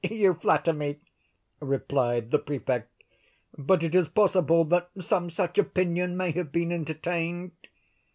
"You flatter me," replied the Prefect; "but it is possible that some such opinion may have been entertained."